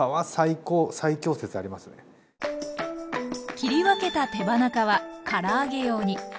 切り分けた手羽中はから揚げ用に。